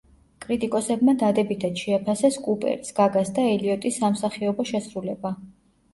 კრიტიკოსებმა დადებითად შეაფასეს კუპერის, გაგას და ელიოტის სამსახიობო შესრულება.